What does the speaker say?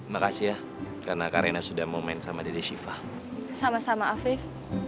makasih ya karena karena sudah momen sama dede siva sama sama afif